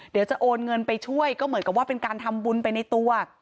เดี๋ยวจะโอนเงินไปช่วยก็เหมือนกับว่าเป็นการทำบุญไปในตัว